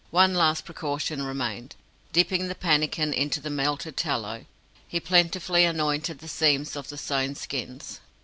One last precaution remained. Dipping the pannikin into the melted tallow, he plentifully anointed the seams of the sewn skins.